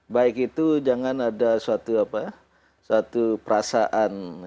baik itu jangan ada suatu perasaan